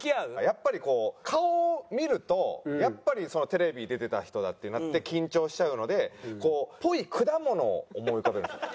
やっぱりこう顔を見るとやっぱりテレビ出てた人だってなって緊張しちゃうのでこうっぽい果物を思い浮かべるんですよ。